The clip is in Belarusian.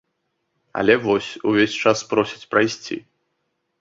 Але, вось, увесь час просяць прайсці.